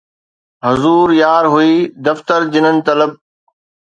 حضور يار هوئي دفتر جنن طلب